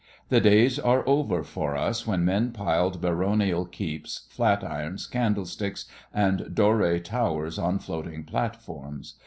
The days are over for us when men piled baronial keeps, flat irons, candlesticks, and Doré towers on floating platforms.